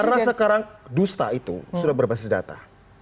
karena sekarang dusta itu sudah berbasis data